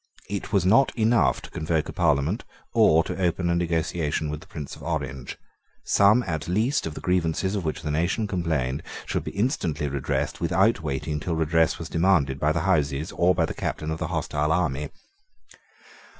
It was not enough to convoke a Parliament or to open a negotiation with the Prince of Orange. Some at least of the grievances of which the nation complained should be instantly redressed without waiting till redress was demanded by the Houses or by the captain of the hostile army.